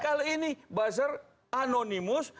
kalau ini buzzer anonimus